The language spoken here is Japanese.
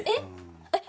えっ！